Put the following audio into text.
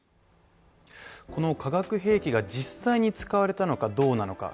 この化学兵器が実際に使われたどうなのか